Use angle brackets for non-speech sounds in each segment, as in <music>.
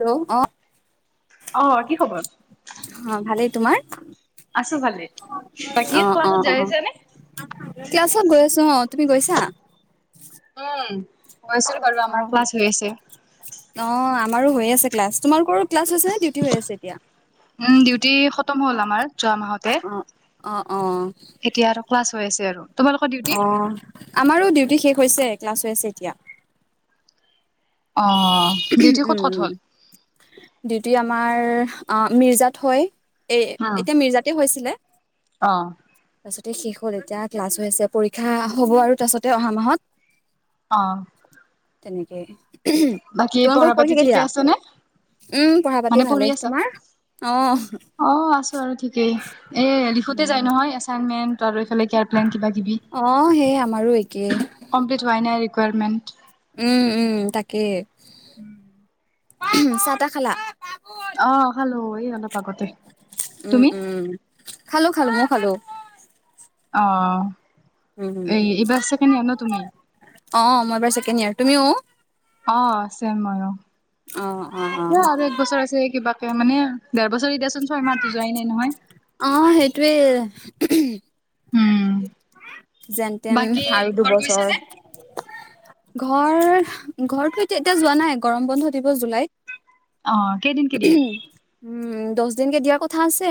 Hello অ', অ কি খবৰ অ', ভালেই, তোমাৰ? আছো ভালে, বাকী অ অ অ কোৱাচোন <unintelligible> ক্লাছত গৈ আছো অ', তুমি গৈছা? উম, হৈছিল বাৰু অ আমাৰ ক্লাছ হৈ আছে। অ', আমাৰো হৈ আছে ক্লাছ, তোমালোকৰো ক্লাছ হৈছে নে ডিউটি হৈ আছে এতিয়া? উম ডিউটি খতম হ'ল আমাৰ যোৱা মাহতে অ'। অ', অ'। এতিয়া আৰু ক্লাছ হৈ আছে আৰু। তোমালোকৰ ডিউটি অ', আমাৰো ডিউটি শেষ হৈছে ক্লাছ হৈ আছে এতিয়া। অ', ডিউটি ক'ত ক'ত হ'ল? ডিউতি আমাৰ অ' মিৰ্জাত হয়, এই উম এতিয়া আমাৰ মিজাত হৈছিলে। অ'। ভাৰ্চিটি শেষ হ'ল এতিয়া ক্লাছ হৈ আছে, পৰীক্ষা হ'ব আৰু তাছতে অহা মাহত। অ'। তেনেকেই, বাকী তোমালোকৰ পঢ়া পাতি পৰীক্ষা ঠিকে কেতিয়া? আছে নে উম, পঢ়া পাতি মানে পঢ়ি ভালেই, আছা তোমাৰ? অ অ', আছো আৰু ঠিকেই এ লিখোতে যাই নহয় এচাইনমেন্ট আৰু এইফালে কেয়ালাইন কিবা কিবি অ', সেই আমাৰো একেই। কমপ্লিট হোৱাই নাই ৰিকুৱাৰমেণ্ট। উম-উম তাকেই। চাহ-তাহ খালা? অ', খালো এই অলপ আগতে। উম, তুমি উম, খালোঁ‌ খালোঁ‌ মইও খালোঁ‌। অ'। উম, এই এইবাৰ ছেকেণ্ড ইয়াৰ ন তুমি অ', মই এবাৰ ছেকেণ্ড ইয়াৰ, তুমিও? অ', চেম হয় অ'। অ'-অ'-অ' এবছৰ আছে কিবাকে মানে দেৰবছৰৰ এতিয়াচোন ছয় মাহতো যোৱাই নাই নহয়। অ', সেইটোৱে। উম। যেন তেন বাকী আৰু ঘৰ গৈছা দুবছৰ। নে? ঘৰ, ঘৰতটো এতিয়া যোৱা নাই, গৰম বন্ধ দিব জুলাইত। অ', কেইদিনকে দিয়ে? উম, দহ দিনকে দিয়াৰ কথা আছে।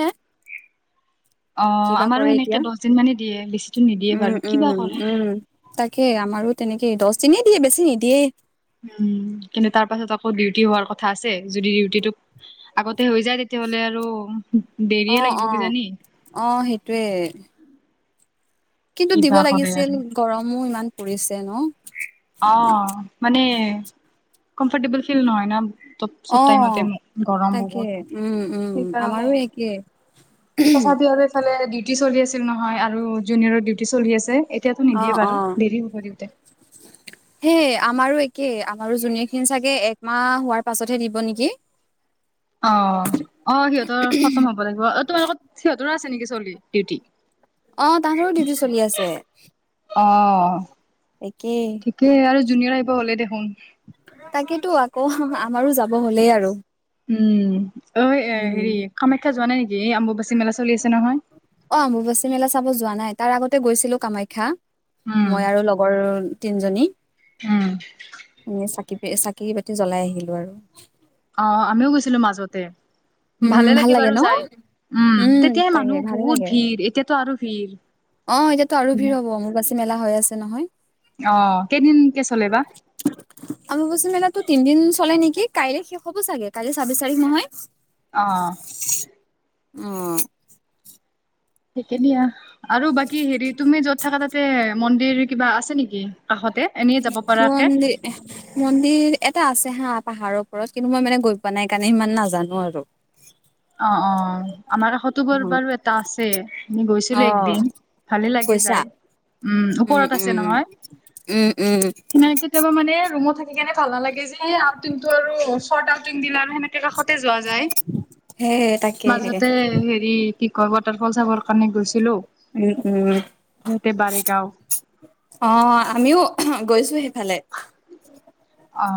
অ', কিবা আমাৰো কৰে এতিয়া সেনেকে দহ দিন মানে দিয়ে, বেছিকে নিদিয়ে উম, বাৰু কি বা উম, কৰে। উম, তাকে আমাৰো তেনেকেই দহ দিনেই দিয়ে বেছি নিদিয়েই। উম কিন্তু তাৰ পাছত আকৌ ডিউটি হোৱাৰ কথা আছে যদি ডিউটিটোক আগতে হৈ যায় তেতিয়াহলে আৰু দেৰিয়ে অঁ লাগিব অঁ, কিজানি। অঁ সেইটোৱে। কিন্তু দিব কিবা কৰে লাগিছিল আৰু গৰমো ইমান পৰিছে ন। অঁ মানে কম্ফৰ্টেবল ফিল নহয় ন। তব চব অ'। টাইমতে গৰম তাকে বহুত উম উম আমাৰো সেইকাৰণে। একে তথাপিও আৰু এইফালে ডিউতি চলি আছিল নহয়, আৰু জুনিয়ৰৰ ডিউটি চলি আছে। এতিয়াতো নিদিয়ে বাৰু, দেৰি হব দিওঁতে। <inaudible> হে আমাৰো একে, আমাৰো জুনিয়ৰ খিনি চাগে একমাহ হোৱাৰ পাছতহে দিব নেকি। অঁ। অঁ সিহঁতৰ খতম হ'ব লাগিব, অ তোমাৰ লগত সিহঁতৰো আছে নেকি চলি ডিউটি? অঁ তাহতৰো ডিউটি চলি আছে, একেই। তাকে আৰু জুনিয়ৰ আহিব হ'লে দেখোন। তাকেতো আকৌ আমাৰো যাব হ'লেই আৰু। উম অ উম হেৰি কামাখ্যাত যোৱা নাই নেকি? এই আম্বুবাচী মেলা চলি আছে নহয়। অঁ অম্বুবাচী মেলা চাব যোৱা নাই, তাৰ আগতে গৈছিলো কামাখ্যা উম মই আৰু লগ গৰ তিনজনী। উম। এনে চাকিপে চাকি বাতি জ্বলাই আহিলো আৰু। অঁ আমিও গৈছিলো মাজতে। উম ভালে ভাল লাগে বাৰু ন যায়, উম তেতিয়াই তাকে মানুহ ভালে বহুত ভিৰ এতিয়াতো আৰু ভিৰ। অঁ এতিয়াতো আৰু ভিৰ হব, অম্বুবাচী মেলা হৈ আছে নহয়। অঁ কেইদিনকে চলে বা? <unintelligible> অম্বুবাচী মেলাতো তিদিন চলে নেকি, কাইলৈ শেষ হ'ব চাগে কাইলৈ ছাব্বিশ তাৰিখ নহয়। অঁ। অঁ। ঠিকে দিয়া আৰু বাকী হেৰি তুমি য'ত থাকা তাত তে মন্দিৰ কিবা আছে নেকি কাষতে? এনেই যাব পৰাকে মন্দি এ মন্দিৰ এটা আছে হা পাহাৰৰ ওপৰত, কিন্তু মই মানে গৈ পোৱা নাই কাৰণে ইমান নাজানো আৰু। <inaudible> অঁ অঁ আমাৰ কাষতো বাৰু এটা আছে, আমি গৈছিলো অ' একদিন। ভালে লাগে গৈছা? যায়, উম ওপৰত আছে নহয়। উম উম। সেনে কেতিয়াবা মানে ৰুমত থাকি কেনে ভাল নালাগে যে সেই <unintelligible> আৰু <unintelligible> কাষতে যোৱা যায়। হে তাক মাজতে হেৰি কি কৰবাত <unintelligible> ফল চাবৰ কাৰণে গৈছিলো, উম, উম, সিহতে বাৰেগাও অঁ আমিও গৈছো সেইফালে। অঁ।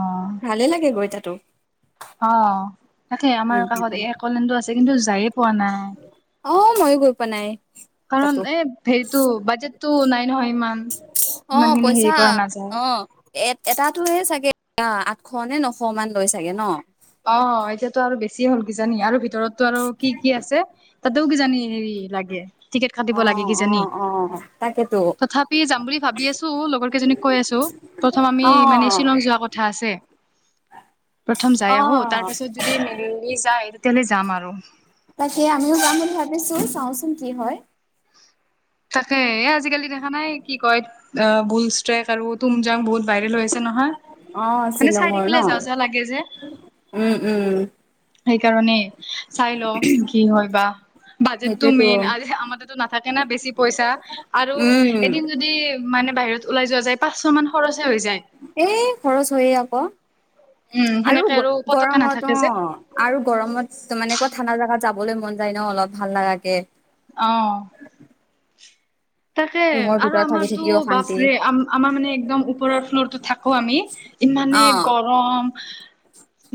ভালে লাগে গৈ তাতো। অঁ তাকে উম, আমাৰ কাষত উম, একলেণ্ডও আছে কিন্তু যায়ে পোৱা নাই। অ মইও গৈ পোৱা নাই। কাৰণ তাতো এ হেৰিতো বাজেটটো নাই নহয় ইমান অ' ইমানখিনি পইচা হেৰি কৰা নাযায় অ' এ এটাতোহে চাগে আঠশ নে নশ মান লয় চাগে ন? অ এতিয়াতো আৰু বেছি হল কিজানি আৰু ভিতৰতটো আৰু কি কি আছে। তাতেও কিজানি হেৰি লাগে টিকেট কাটিব লাগে অ', কিজানি। অ', অ', তাকেতো তথাপিও যাম বুলি ভাবি আছো লগৰ কেইজনীক কৈ আছো। প্ৰথম আমি অ', মানে শ্বিলং যোৱা কথা আছে। প্ৰথম যাই আহো, অ'। তাৰপাছত যদি মিলি যায় তেতিয়াহ'লে যাম আৰু। তাকে আমিও যাম বুলি ভাবিছো চাওঁচোন কি হয়। তাকে এ আজিকালি দেখা নাই, কি কয় বুল ষ্ট্ৰেক আৰু টুমজাং বহুত ভাইৰেল হৈ আ ছে নহয় অ', মানে চাই শ্বিলঙৰ ন থাকিলে যাওঁ যাওঁ লাগে যে। উম, উম সেইকাৰণে চাই লওঁ কি হয় বা, বাজেতটো সেইটোৱেতো। মেইন। আজি আমাৰ তা তেতো নাথাকে না বেছি পইচা, আৰু উম, এদিন যদি মানে বাহিৰত ওলাই যোৱা যায়, পাঁচশ মান খৰচে হৈ যায়। এই খৰচ হয়ে আক', উম আৰু সেনেকে গ পতকে গৰমত নাথাকে অ'। যে আৰু গৰমত মানে এনেকুৱা ঠাণ্ডা জোগাত যাবলৈ মন যায় ন অলপ ভাল লগে। অ'। তাকে ৰুমৰ আৰু ভিতৰত থাকি আমাৰতো থাকিও শান্তি বাপৰে, আমাৰ মানে একদম ওপৰৰ ফ্লৰটোত থাকো আমি। ইমানে অ'। গৰম,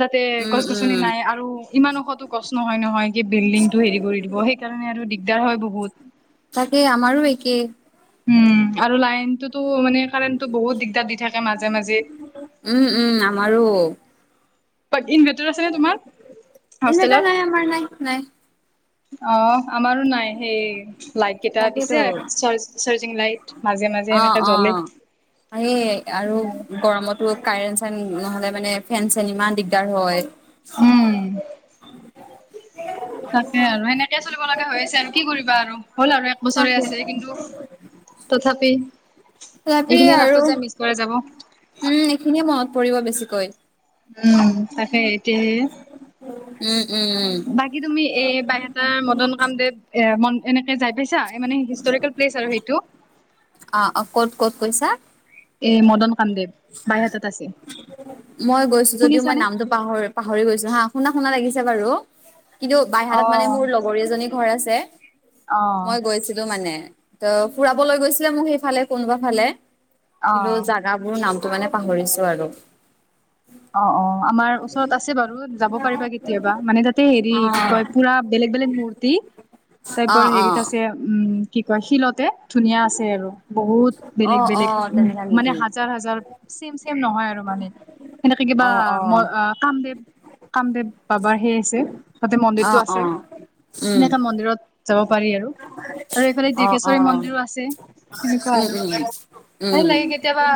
তাতে উম, গছ গছ নি উম নাই আৰু, ইমান ওখটো গছ নহয় নহয় কি বিল্ডিংটো হেৰি কৰি দিব, সেইকাৰণে আৰু দিগদাৰ হয় বহুত। তাকে আমাৰো একেই। উম, আৰু লাইনতোতো মানে কাৰেণ্টো বহুত দিগদাৰ দি থাকে মাজে মাজে। উম উম আমাৰো। ইনৰ্ভাটাৰ আছে নে তোমাৰ ইনভাৰ্টাৰ হোষ্টেলত? নাই আমাৰ নাই নাই অ' আমাৰো নাই, সেই লাইট কেইটা তাকেইতো দিছে চাৰ্জ চাৰ্জিং লাইট। মাজে মাজে অ এনেকে অ জ্বলে। হে আৰু গৰমত টো কাৰেণ্ট চাৰণ্ট নহলে মানে ফেন চেন মানে ইমান দিগ দাৰ হয়। উম, তাকে আৰু, সেনেকে চলিব লগা হৈ আছে আৰু, কি কৰিবা আৰু হ'ল আৰু এক বছৰে তাকে আছে। কিন্তু <unintelligible> তথাপিও তথাপি এইখিনিয়ে আৰু লাষ্টত যে মিচ কৰা যাব। উম, এইখিনিয়ে মনত পৰিব বেছিকৈ। উম, তাকে এতিয়াহে উম উম বাকী তুমি এ বাইহটা মদন কামদেৱ এ মন এনেকে যাই পাইছা, মানে হিষ্টৰিকেল প্লেচ আৰু সেইটো? অ ক'ত ক'ত কৈছা? এই মদন কামদেৱ? বাইহাতত আছে মই গৈছো যদিও মই শুনিছানে নামটো পাহৰি পাহৰি গৈছো হা', শুনা শুনা লাগিছে বাৰু। কিন্তু অ বাইহাতত মানে মোৰ লগৰ এজনী ঘৰ আছে, অ মই গৈছিলো মানে। ত' ফুৰাব লৈ গৈছিলে মোক সেইফালে কোনোবা ফালে, অ কিন্তু অ জাগাবোৰ নাম টো মানে পাহৰিছো আৰু। অ অ, আমাৰ ওচৰত আছে বাৰু, যাব পাৰিবা কেতিয়াবা, মানে তাতে হেৰি কি কয় পুৰা বেলেগ বেলেগ মূ ৰ্তি অ তাৰপৰা অ হেৰিত আছে উম কি কয় শিলতে। ধুনীয়া আছে আৰু, বহুত অ বেলেগ অ বেলেগ উম তেনেকা মানে নেকি? হাজাৰ হাজাৰ ছেম ছেম নহয় আৰু মানে, সেনেকে অ', কিবা মই অ', কামদেৱ কামদেৱ বাবাৰ সেই আছে, তাতে মন্দিৰটো অ', অ', আছে, উম, সেনেকা মন্দিৰত যাব পাৰি আৰু। আৰু এইফালে অ', ডিৰ্গেশ্বৰী অ', মন্দিৰো আছে, সেনেকুৱা উম, আৰু। উম, ভাল উম, লাগে, কেতিয়াবা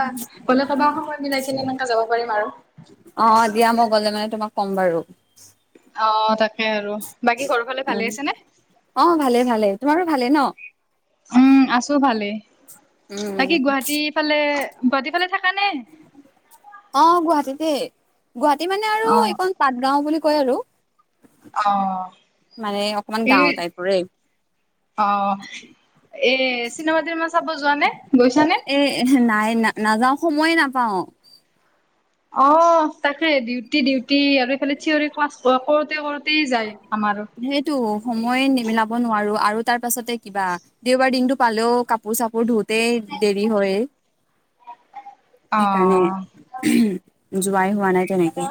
গ'লে ক'বা সময় মিলাই কিনি এনেকে যাব পাৰিম আৰু। অ অ দিয়া মই গ'লে মানে তোমাক ক'ম বাৰু। অ তাকে আৰু বাকী ঘৰ অ ভালে ভালে, তোমাৰো ভালে ন? উম আছো ভালেই, উম, বাকী গুৱাহাটী ফালে গুৱাহাটী ফালে থাকা নে? অ গুৱাহাটীতে, গুৱাহাটী মানে অ'। পাত গাঁও বুলি কয় আৰু, অ মানে অকমান এই গাওঁ টাইপৰে। অ এ চিনেমা-তিনেমা চাব যোৱা নে গৈছা নে? এ নাই না নাযাওঁ সময়ে নাপাওঁ। অ তাকে ডিউটি ডিউটি আৰু এইফালে চিঞৰি ক্লাছ কৰোঁতে কৰোঁতে তে যায় আমাৰো। টো সময় নি মিলাব নোৱাৰো আৰু তাৰ পাছতে কিবা দেওবাৰ দিনটো পালেও কাপোৰ-চাপোৰ ধুওতেই দেৰি হয়। সেইকাৰণে অ যোৱাই হোৱা নাই তেনেকে।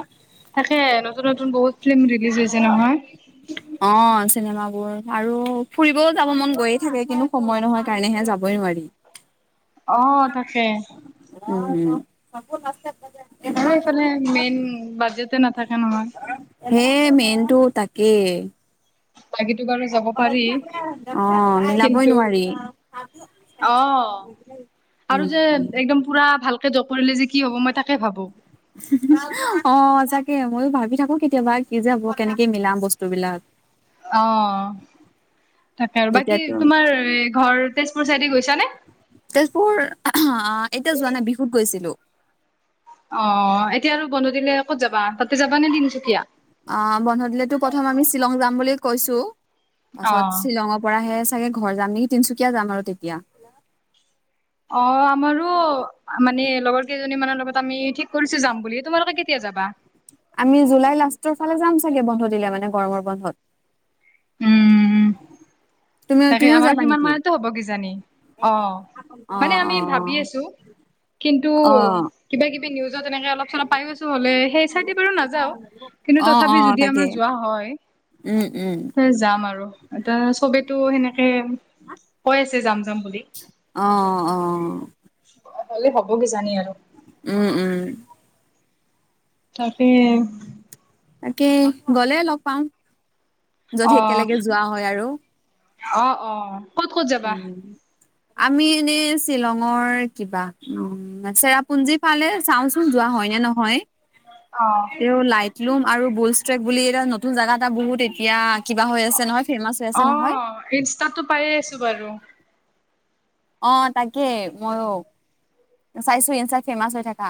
তাকে নতুন নতুন বহুত ফিল্ম ৰিলিজ হৈছে নহয়। <inaudible> অ চিনেমাবোৰ আৰু ফুৰিবও যাব মন গৈয়ে থাকে কিন্তু সময় নহয় কাৰণেহে যাবই নোৱাৰি। <inaudible> অ তাকে। <unintelligible> আৰু এইফালে মেইন বাজেটে নাথাকে নহয়। হে মেইনটো তাকেই। <unintelligible> অ মিলাবই কিন্তু নোৱাৰি। অ আৰু যে উম একদম পুৰা ভাল <unintelligible> কৰিলে যে কি হ'ব মই তাকে ভাবো। অ সঁচাকে ময়ো ভাবি থাকো কেতিয়াবা কি যে হ'ব কেনেকে মিলাম বস্তু বিলাক। অ তাকে আৰু বাকী তেতিয়াতো তোমাৰ ঘৰ তেজপুৰ চাইডে গৈছা নে? তেজপুৰ এতিয়া যোৱা নাই বিহুত গৈছিলো। অ এতিয়া আৰু বন্ধ দিলে ক'ত যাবা, তাতে যাবা নে তিনচুকীয়া? অ বন্ধ দিলেতো প্ৰথম আমি শ্বিলং যাম বুলি কৈছো অ তাৰপাছত শ্বিলঙৰ পৰাহে চাগে ঘৰ যাম নেকি, তিনিচুকীয়া যাম আৰু তেতিয়া। অ আমাৰো মানে লগৰ কেইজনী মানৰ লগত আমি ঠিক কৰিছো যাম বুলি, তোমালোকে কেতিয়া যাবা? আমি জুলাই লাষ্টৰ ফালে যাম চাগে বন্ধ দিলে মানে গৰমৰ বন্ধত। উম <inaudible> তুমি তাকে তুমিও আমাৰো যাবা সিমান নেকি? মানতে হ'ব কিজানি অ। অ', মানে আমি ভাবি অ', আছো কিন্তু অ', কিবা-কিবি নিউজত তেনেকে অলপ চলপ পাই আছো হ'লে, সেই চাইডে বাৰু নাযাওঁ কিন্তু অ', তথাপি অ', যদি তাকে আমাৰ যোৱা হয় উম উম। এ যাম আৰু এতা চবেতো সেনেকে কৈ আছে যাম যাম বুলি। অ অ। হ'লে হ'ব কিজানি আৰু। উম উম। তাকেই। তাকে গ'লে লগ পাম। অ যদি একেলগে যোৱা হয় আৰু অ অ। ক'ত ক'ত যাবা উম, আমি এনে শ্বিলঙৰ কিবা <unintelligible> চেৰাপুঞ্জী ফালে চাওঁচোন যোৱা হয় নে নহয়। অ তেও লাইটলুম আৰু বুলষ্ট্ৰেক্ বুলি এটা নতুন জেগা এটা বহুত এতিয়া কিবা হৈ আছে নহয়। ফেমাচ হৈ আছে অ নহয়। ইনষ্টাতো পায়েই আছো বাৰু। অ তাকে ময়ো চাইছো ইনষ্টাত ফেমাচ হৈ থাকা।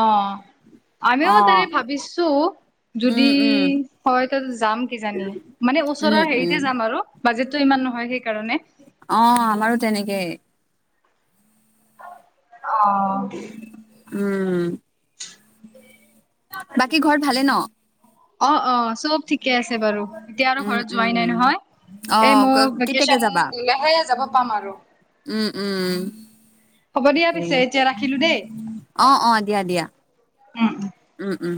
অ অ আমিও তাকে ভাবিছো। উম যদি উম হয় ত যাম কিজানি মানে উম ওচৰৰ উম হেৰিতে যাম আৰু। বাজেটটো ইমান নহয় সেইকাৰণে। অ আমাৰো তেনেকেই। অ। উম। বাকী ঘৰত ভালে ন? অ অ চব ঠিকে আছে বাৰু এতিয়া আৰু উম ঘৰত যোৱাই উম নাই নহয়। অ এই মোক ক- কেতিয়াকে ভেকেশচন যাবা দিলেহে যাব পাম আৰু। উম উম উম। হ'ব দিয়া তাকে পিছে এতিয়া ৰাখিলো দেই অ অ দিয়া দিয়া উম উম।